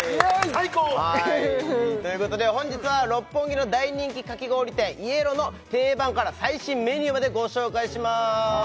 最高！ということで本日は六本木の大人気かき氷店ｙｅｌｏの定番から最新メニューまでご紹介します